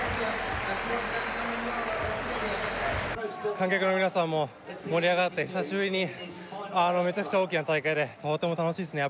観客の皆さんも盛り上がって久しぶりにめちゃくちゃ大きな大会でとても楽しいですね